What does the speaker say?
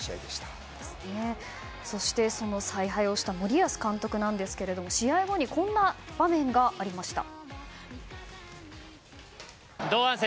そしてその采配をした森保監督ですが試合後にこんな場面がありました。